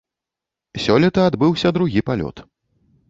Сёлета адбыўся другі палёт.